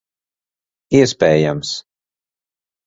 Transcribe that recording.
Iespējams.